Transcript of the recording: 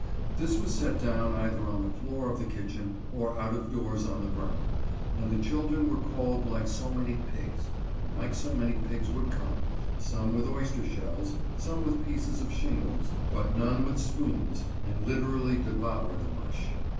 This was set down either on the floor of the kitchen, or out of doors on the ground, and the children were called like so many pigs, and like so many pigs would come, some with oyster shells, some with pieces of shingles, but none with spoons, and literally devour the mush.